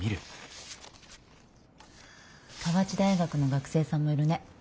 河内大学の学生さんもいるね。